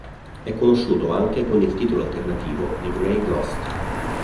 È conosciuto anche con il titolo alternativo "The Grey Ghost".